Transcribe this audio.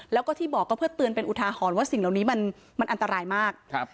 แล้วก็ที่บอกก็เพื่อเตือนเป็นอุทาหรณ์ว่าสิ่งเหล่านี้มันมันอันตรายมากครับ